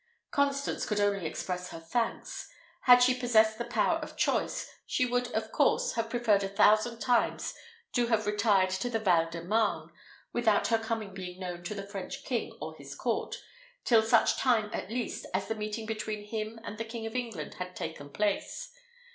Constance could only express her thanks. Had she possessed the power of choice, she would of course have preferred a thousand times to have retired to the Val de Marne, without her coming being known to the French king or his court, till such time, at least, as the meeting between him and the King of England had taken place.